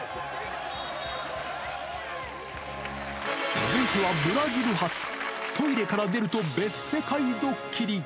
続いては、ブラジル発、トイレから出ると別世界ドッキリ。